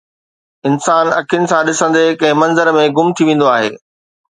انسان اکين سان ڏسندي ڪنهن منظر ۾ گم ٿي ويندو آهي.